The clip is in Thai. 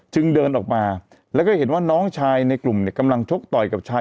เดินออกมาแล้วก็เห็นว่าน้องชายในกลุ่มเนี่ยกำลังชกต่อยกับชาย